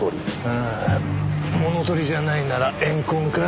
あ物盗りじゃないなら怨恨か？